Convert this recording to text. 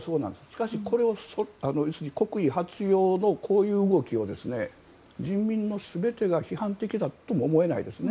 しかし国威発揚のこういう動きを人民の全てが批判的だとは思えないですね。